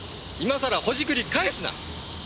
今さらほじくり返すな！